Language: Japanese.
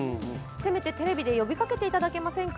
せめてテレビで呼びかけていただけませんか。